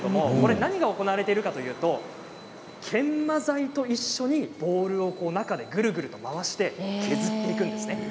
何が行われているかというと研磨材と一緒にボールを中でぐるぐる回して削っていくんです。